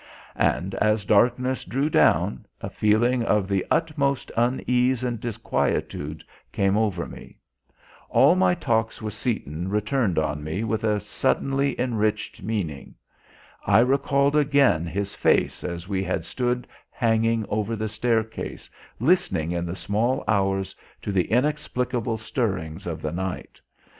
And as darkness drew down, a feeling of the utmost unease and disquietude came over me. All my talks with Seaton returned on me with a suddenly enriched meaning. I recalled again his face as we had stood hanging over the staircase, listening in the small hours to the inexplicable stirrings of the night.